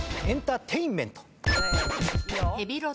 エンターテインメント。